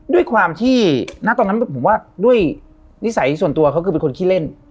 ด้วยความที่ณตอนนั้นผมว่าด้วยนิสัยส่วนตัวเขาคือเป็นคนขี้เล่น